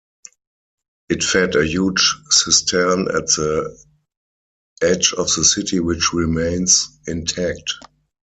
It fed a huge cistern at the edge of the city which remains intact.